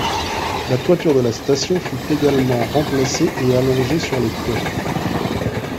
La toiture de la station fut également remplacée et allongée sur les quais.